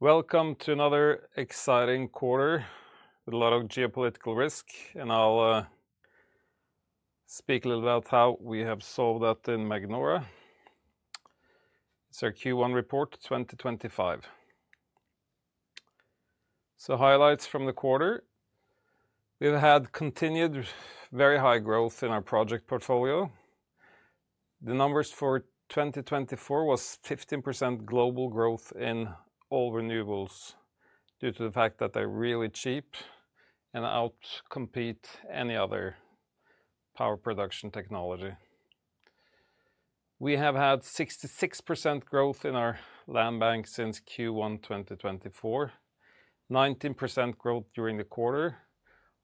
Welcome to another exciting quarter with a lot of geopolitical risk, and I'll speak a little about how we have solved that in Magnora. It's our Q1 report 2025. Highlights from the quarter: we've had continued very high growth in our project portfolio. The numbers for 2024 were 15% global growth in all renewables due to the fact that they're really cheap and outcompete any other power production technology. We have had 66% growth in our land bank since Q1 2024, 19% growth during the quarter.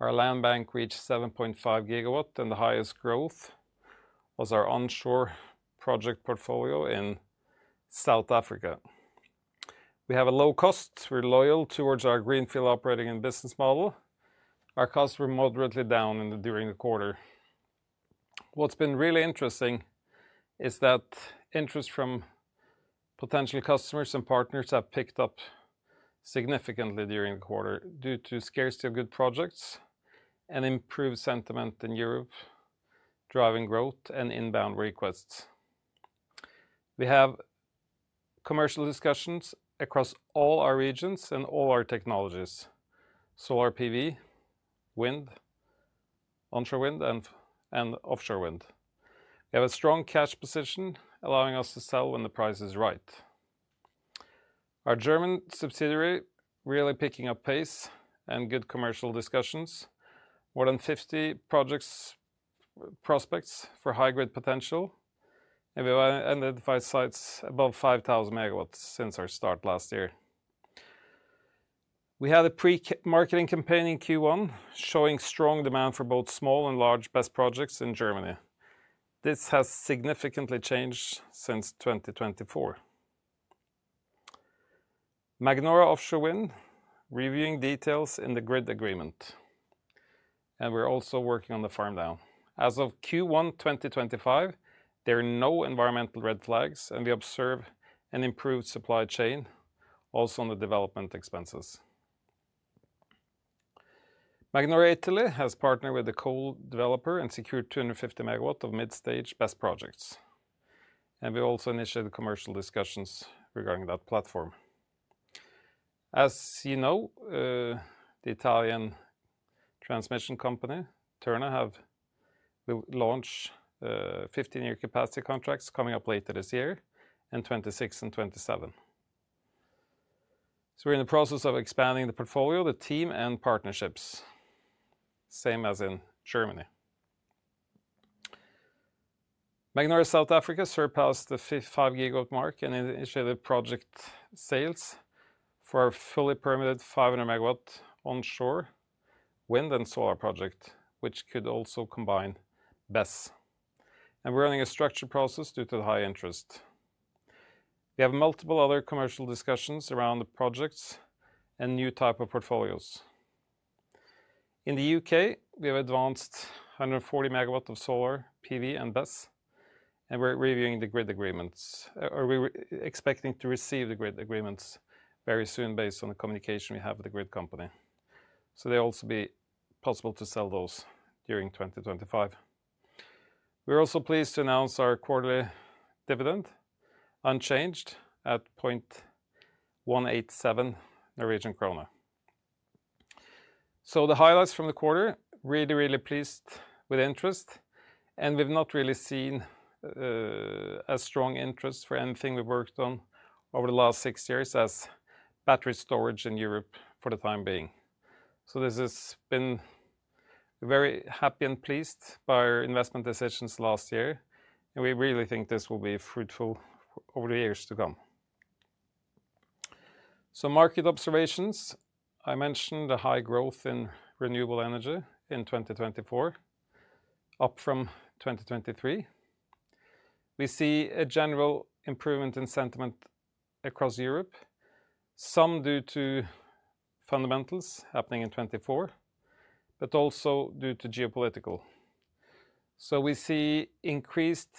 Our land bank reached 7.5 GW, and the highest growth was our onshore project portfolio in South Africa. We have a low cost, we're loyal towards our greenfield operating and business model. Our costs were moderately down during the quarter. What's been really interesting is that interest from potential customers and partners has picked up significantly during the quarter due to scarcity of good projects and improved sentiment in Europe, driving growth and inbound requests. We have commercial discussions across all our regions and all our technologies: solar PV, wind, onshore wind, and offshore wind. We have a strong cash position, allowing us to sell when the price is right. Our German subsidiary is really picking up pace and good commercial discussions: more than 50 project prospects for high-grade potential, and we've identified sites above 5,000 MW since our start last year. We had a pre-marketing campaign in Q1 showing strong demand for both small and large BESS projects in Germany. This has significantly changed since 2024. Magnora Offshore Wind is reviewing details in the grid agreement, and we're also working on the farm down. As of Q1 2025, there are no environmental red flags, and we observe an improved supply chain, also on the development expenses. Magnora Italy has partnered with a co-developer and secured 250 MW of mid-stage BESS projects, and we also initiated commercial discussions regarding that platform. As you know, the Italian transmission company Terna will launch 15-year capacity contracts coming up later this year, in 2026 and 2027. We are in the process of expanding the portfolio, the team, and partnerships, same as in Germany. Magnora South Africa surpassed the 5 GW mark and initiated project sales for our fully permitted 500 megawatt onshore wind and solar project, which could also combine BESS. We are running a structured process due to the high interest. We have multiple other commercial discussions around the projects and new type of portfolios. In the U.K., we have advanced 140 MW of solar PV and BESS, and we're reviewing the grid agreements, or we're expecting to receive the grid agreements very soon based on the communication we have with the grid company. They'll also be possible to sell those during 2025. We're also pleased to announce our quarterly dividend, unchanged at 0.187 Norwegian krone. The highlights from the quarter: really, really pleased with interest, and we've not really seen as strong interest for anything we've worked on over the last six years as battery storage in Europe for the time being. This has been very happy and pleased by our investment decisions last year, and we really think this will be fruitful over the years to come. Market observations: I mentioned the high growth in renewable energy in 2024, up from 2023. We see a general improvement in sentiment across Europe, some due to fundamentals happening in 2024, but also due to geopolitical. We see increased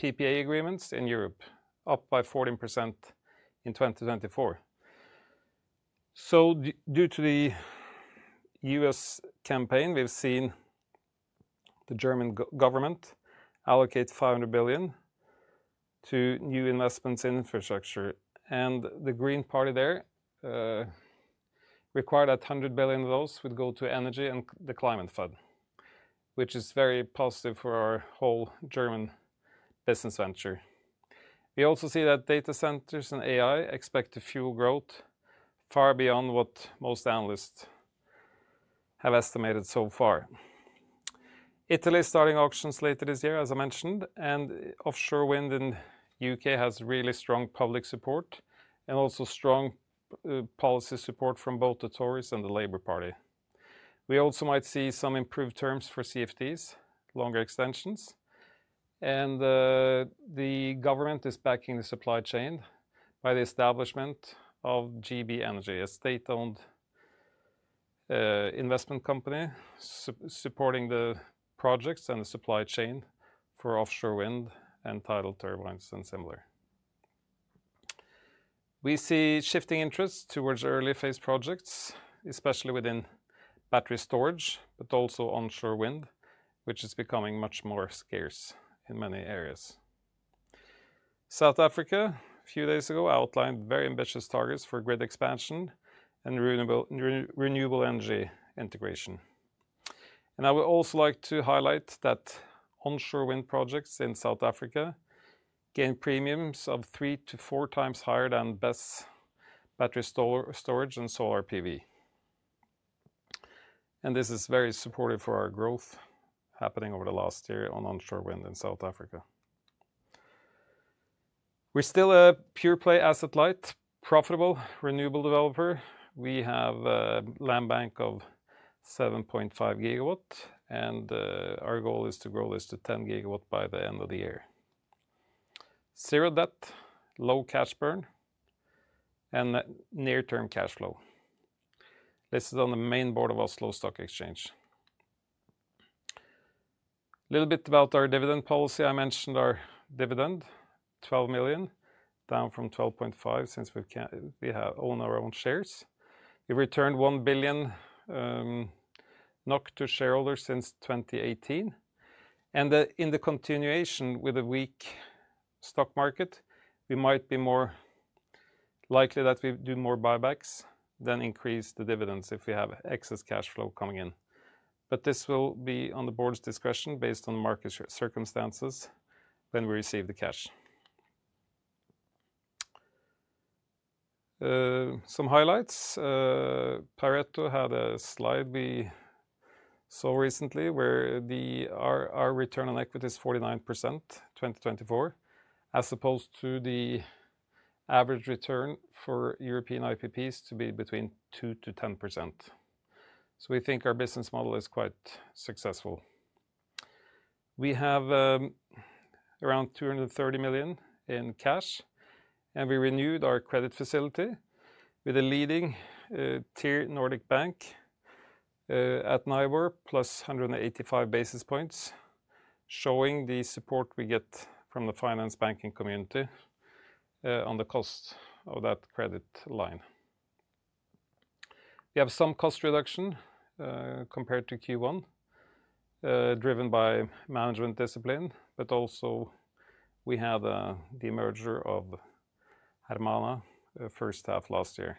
PPA agreements in Europe, up by 14% in 2024. Due to the U.S. campaign, we've seen the German government allocate 500 billion to new investments in infrastructure, and the Green Party there required that 100 billion of those would go to energy and the climate fund, which is very positive for our whole German business venture. We also see that data centers and AI expect to fuel growth far beyond what most analysts have estimated so far. Italy is starting auctions later this year, as I mentioned, and offshore wind in the U.K. has really strong public support and also strong policy support from both the Tories and the Labour Party. We also might see some improved terms for CFDs, longer extensions, and the government is backing the supply chain by the establishment of GB Energy, a state-owned investment company supporting the projects and the supply chain for offshore wind and tidal turbines and similar. We see shifting interest towards early phase projects, especially within battery storage, but also onshore wind, which is becoming much more scarce in many areas. South Africa, a few days ago, outlined very ambitious targets for grid expansion and renewable energy integration. I would also like to highlight that onshore wind projects in South Africa gain premiums of three to four times higher than BESS battery storage and solar PV. This is very supportive for our growth happening over the last year on onshore wind in South Africa. We're still a pure-play asset-light, profitable renewable developer. We have a land bank of 7.5 GW, and our goal is to grow this to 10 GW by the end of the year. Zero debt, low cash burn, and near-term cash flow. This is on the main board of Oslo Stock Exchange. A little bit about our dividend policy. I mentioned our dividend: 12 million, down from 12.5 million since we've owned our own shares. We've returned 1 billion NOK to shareholders since 2018. In the continuation with the weak stock market, we might be more likely that we do more buybacks than increase the dividends if we have excess cash flow coming in. This will be on the board's discretion based on the market circumstances when we receive the cash. Some highlights: Pareto had a slide we saw recently where our return on equity is 49% in 2024, as opposed to the average return for European IPPs to be between 2-10%. We think our business model is quite successful. We have around 230 million in cash, and we renewed our credit facility with a leading, tiered Nordic bank, at NIBOR plus 185 basis points, showing the support we get from the finance banking community on the cost of that credit line. We have some cost reduction compared to Q1, driven by management discipline, but also we had demerger of Hermana first half last year.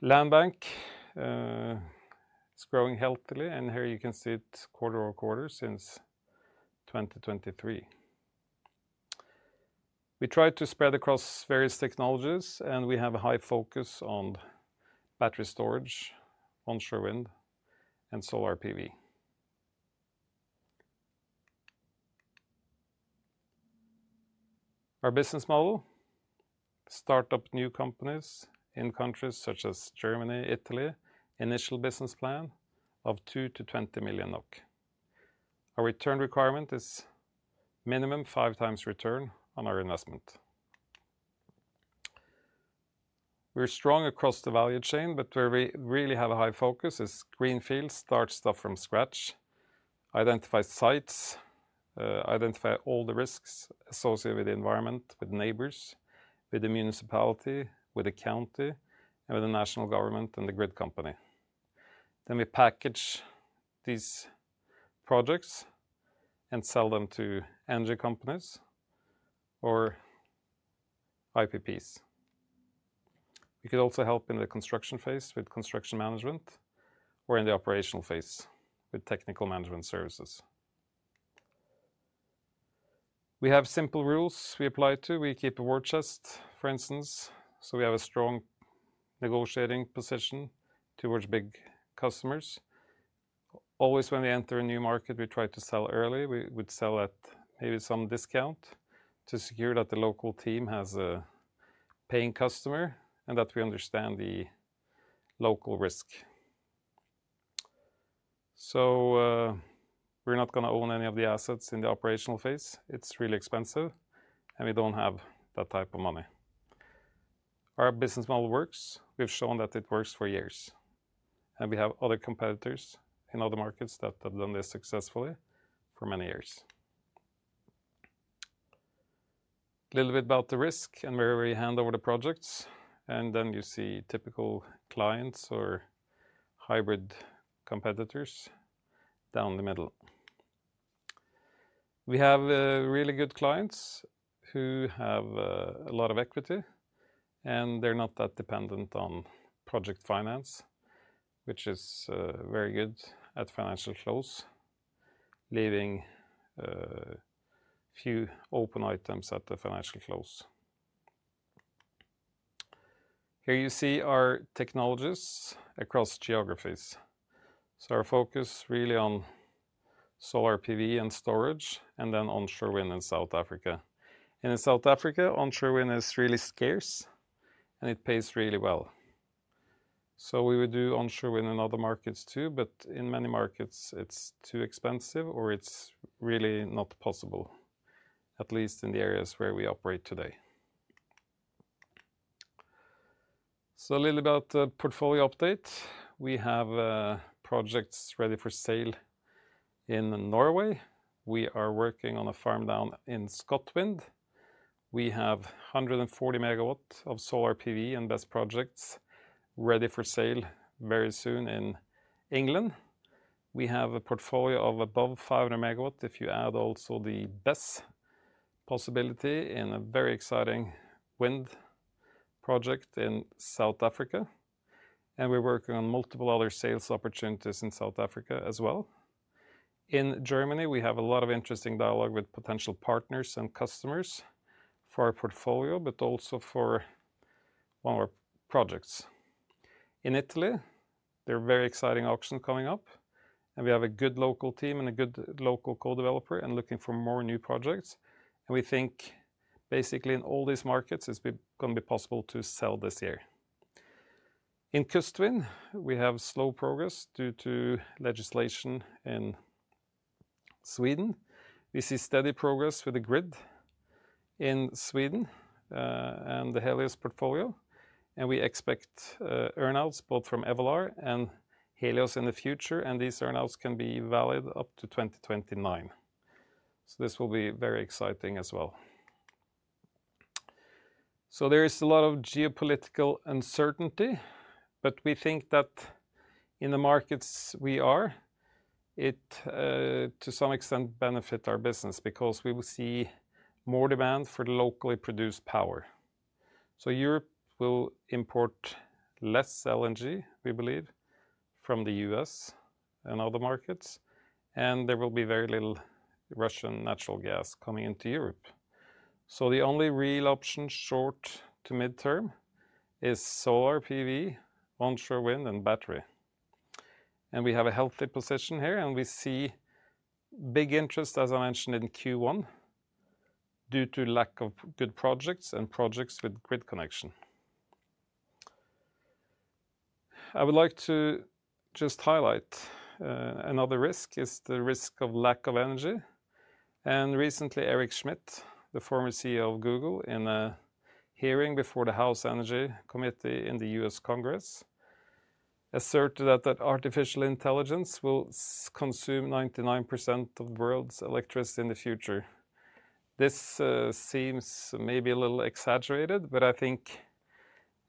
Land bank, it is growing healthily, and here you can see it quarter over quarter since 2023. We tried to spread across various technologies, and we have a high focus on battery storage, onshore wind, and solar PV. Our business model: startup new companies in countries such as Germany, Italy, initial business plan of 2 million-20 million NOK. Our return requirement is minimum five times return on our investment. We're strong across the value chain, but where we really have a high focus is greenfield, start stuff from scratch, identify sites, identify all the risks associated with the environment, with neighbors, with the municipality, with the county, and with the national government and the grid company. We package these projects and sell them to energy companies or IPPs. We could also help in the construction phase with construction management or in the operational phase with technical management services. We have simple rules we apply to. We keep a war chest, for instance, so we have a strong negotiating position towards big customers. Always when we enter a new market, we try to sell early. We would sell at maybe some discount to secure that the local team has a paying customer and that we understand the local risk. We are not going to own any of the assets in the operational phase. It is really expensive, and we do not have that type of money. Our business model works. We have shown that it works for years, and we have other competitors in other markets that have done this successfully for many years. A little bit about the risk and where we hand over the projects, and then you see typical clients or hybrid competitors down the middle. We have really good clients who have a lot of equity, and they are not that dependent on project finance, which is very good at financial close, leaving few open items at the financial close. Here you see our technologies across geographies. Our focus is really on solar PV and storage, and then onshore wind in South Africa. In South Africa, onshore wind is really scarce, and it pays really well. We would do onshore wind in other markets too, but in many markets, it is too expensive or it is really not possible, at least in the areas where we operate today. A little bit about the portfolio update. We have projects ready for sale in Norway. We are working on a farm down in Scotwind. We have 140 megawatts of solar PV and BESS projects ready for sale very soon in England. We have a portfolio of above 500 MW if you add also the BESS possibility in a very exciting wind project in South Africa. We are working on multiple other sales opportunities in South Africa as well. In Germany, we have a lot of interesting dialogue with potential partners and customers for our portfolio, but also for one of our projects. In Italy, there are very exciting auctions coming up, and we have a good local team and a good local co-developer looking for more new projects. We think basically in all these markets, it's going to be possible to sell this year. In Kustvind, we have slow progress due to legislation in Sweden. We see steady progress with the grid in Sweden, and the Helios portfolio. We expect earnings both from Evolar and Helios in the future, and these earnings can be valid up to 2029. This will be very exciting as well. There is a lot of geopolitical uncertainty, but we think that in the markets we are, it to some extent benefits our business because we will see more demand for locally produced power. Europe will import less LNG, we believe, from the U.S. and other markets, and there will be very little Russian natural gas coming into Europe. The only real option short to midterm is solar PV, onshore wind, and battery. We have a healthy position here, and we see big interest, as I mentioned in Q1, due to lack of good projects and projects with grid connection. I would like to just highlight, another risk is the risk of lack of energy. Recently, Eric Schmidt, the former CEO of Google, in a hearing before the House Energy Committee in the U.S. Congress, asserted that artificial intelligence will consume 99% of the world's electricity in the future. This seems maybe a little exaggerated, but I think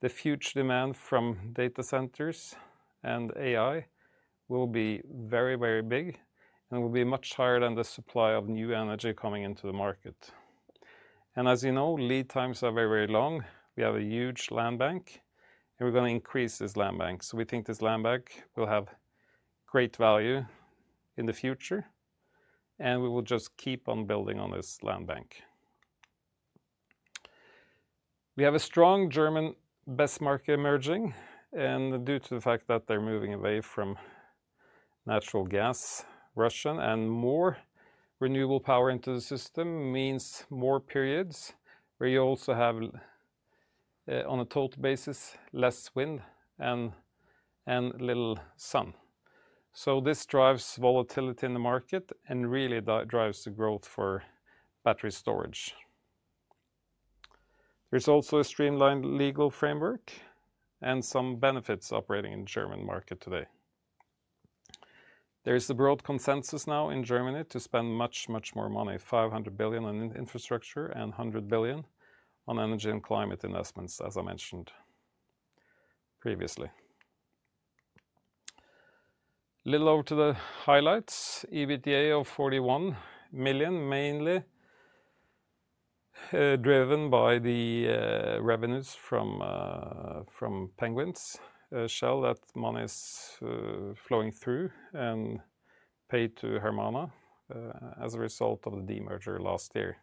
the future demand from data centers and AI will be very, very big, and it will be much higher than the supply of new energy coming into the market. As you know, lead times are very, very long. We have a huge land bank, and we're going to increase this land bank. We think this land bank will have great value in the future, and we will just keep on building on this land bank. We have a strong German BESS market emerging, and due to the fact that they're moving away from natural gas, Russian and more renewable power into the system means more periods where you also have, on a total basis, less wind and little sun. This drives volatility in the market and really drives the growth for battery storage. There is also a streamlined legal framework and some benefits operating in the German market today. There is a broad consensus now in Germany to spend much, much more money, 500 billion on infrastructure and 100 billion on energy and climate investments, as I mentioned previously. A little over to the highlights: EBITDA of 41 million, mainly driven by the revenues from Penguins, Shell. That money is flowing through and paid to Hermana, as a result of the de-merger last year.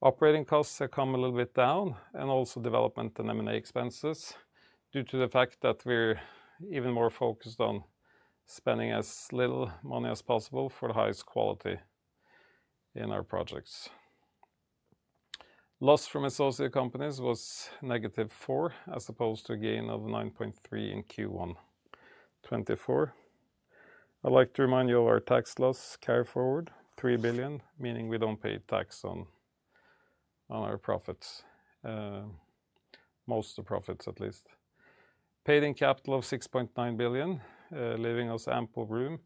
Operating costs have come a little bit down, and also development and M&A expenses due to the fact that we're even more focused on spending as little money as possible for the highest quality in our projects. Loss from associate companies was negative 4 as opposed to a gain of 9.3 in Q1 2024. I'd like to remind you of our tax loss carry forward 3 billion, meaning we don't pay tax on our profits, most of the profits at least. Paid-in capital of 6.9 billion, leaving us ample room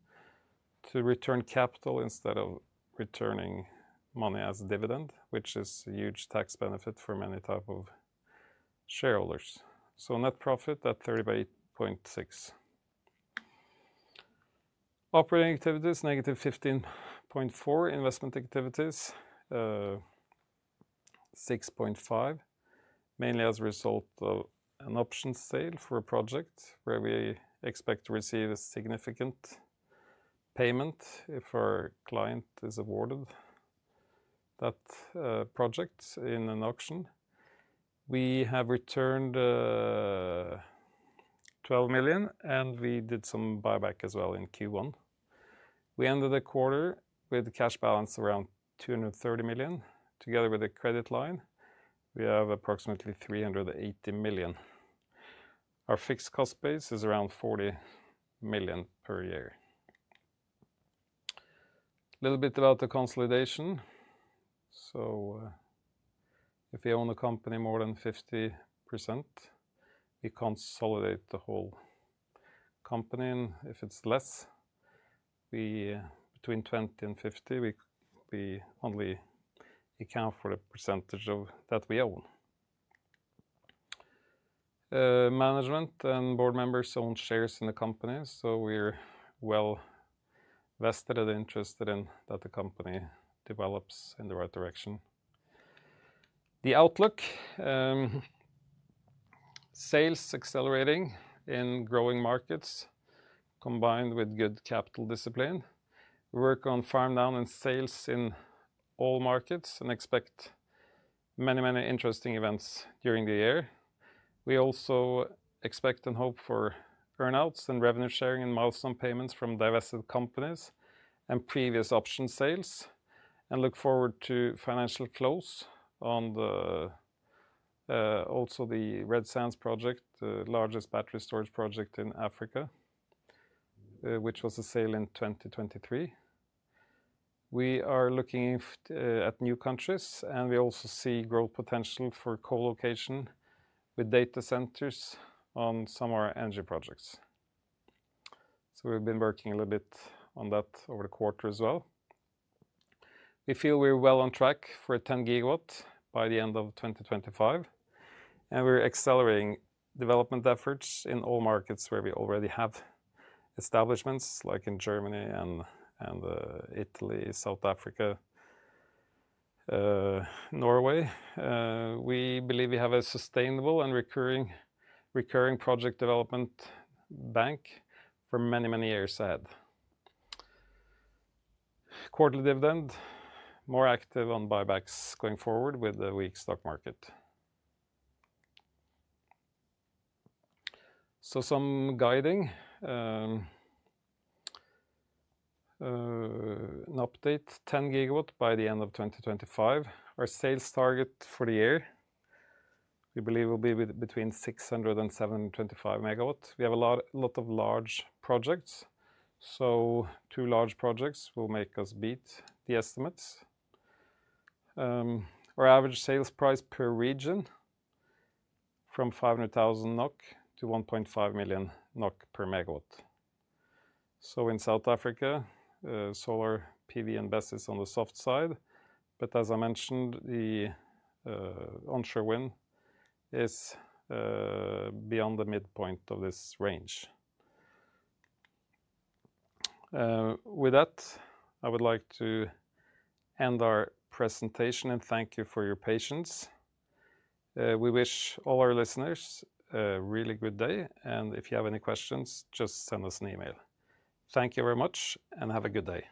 to return capital instead of returning money as dividend, which is a huge tax benefit for many types of shareholders. Net profit at 38.6. Operating activities: negative 15.4. Investment activities: 6.5, mainly as a result of an option sale for a project where we expect to receive a significant payment if our client is awarded that project in an auction. We have returned 12 million, and we did some buyback as well in Q1. We ended the quarter with a cash balance around 230 million. Together with the credit line, we have approximately 380 million. Our fixed cost base is around 40 million per year. A little bit about the consolidation. If we own a company more than 50%, we consolidate the whole company. If it is less, between 20% and 50%, we only account for the percentage of that we own. Management and board members own shares in the company, so we're well vested and interested in that the company develops in the right direction. The outlook: sales accelerating in growing markets combined with good capital discipline. We work on farm down and sales in all markets and expect many, many interesting events during the year. We also expect and hope for earnings and revenue sharing and milestone payments from divested companies and previous option sales, and look forward to financial close on also the Red Sands project, the largest battery storage project in Africa, which was a sale in 2023. We are looking at new countries, and we also see growth potential for co-location with data centers on some of our energy projects. We've been working a little bit on that over the quarter as well. We feel we're well on track for a 10 GW by the end of 2025, and we're accelerating development efforts in all markets where we already have establishments, like in Germany and Italy, South Africa, Norway. We believe we have a sustainable and recurring project development bank for many, many years ahead. Quarterly dividend: more active on buybacks going forward with the weak stock market. Some guiding: an update: 10 GW by the end of 2025. Our sales target for the year we believe will be between 600 and 725 MW. We have a lot of large projects, so two large projects will make us beat the estimates. Our average sales price per region from 500,000 NOK to 1.5 million NOK per megawatt. In South Africa, solar PV invest is on the soft side, but as I mentioned, the onshore wind is beyond the midpoint of this range. With that, I would like to end our presentation and thank you for your patience. We wish all our listeners a really good day, and if you have any questions, just send us an email. Thank you very much, and have a good day.